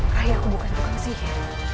raih aku bukan tukang sihir